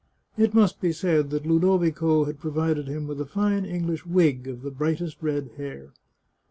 It must be said that Ludovico had provided him with a fine English wig of the brightest red hair.